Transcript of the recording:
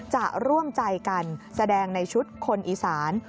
จะร่วมใจกันแสดงในชุดคนอีสาน